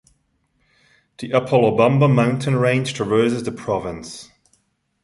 The Apolobamba mountain range traverses the province.